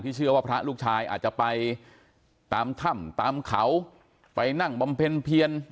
เชื่อว่าพระลูกชายอาจจะไปตามถ้ำตามเขาไปนั่งบำเพ็ญเพียน